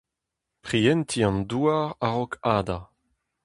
Prientiñ an douar a-raok hadañ.